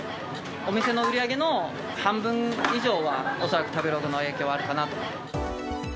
お店の売り上げの半分以上は、恐らく食べログの影響はあるかなと。